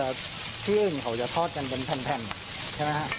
แล้วที่อื่นเขาจะทอดกันเป็นแผ่นใช่ไหมฮะ